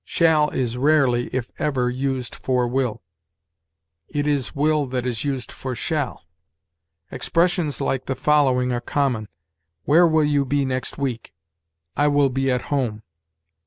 Shall is rarely, if ever, used for will; it is will that is used for shall. Expressions like the following are common: "Where will you be next week?" "I will be at home."